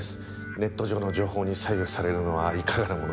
ネット上の情報に左右されるのはいかがなもの。